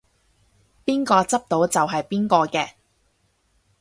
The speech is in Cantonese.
邊個執到就係邊個嘅